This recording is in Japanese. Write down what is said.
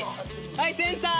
はいセンター！